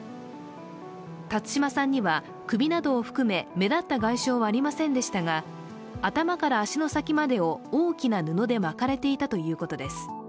辰島さんには首などを含め目立った外傷はありませんでしたが頭から足の先までを大きな布で巻かれていたということです。